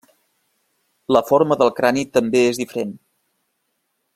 La forma del crani també és diferent.